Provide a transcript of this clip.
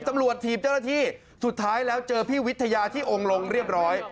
ถีบเจ้าหน้าที่สุดท้ายแล้วเจอพี่วิทยาที่องค์ลงเรียบร้อย